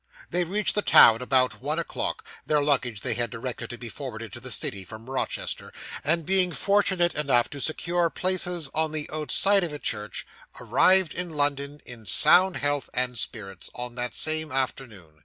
They reached the town about one o'clock (their luggage they had directed to be forwarded to the city, from Rochester), and being fortunate enough to secure places on the outside of a coach, arrived in London in sound health and spirits, on that same afternoon.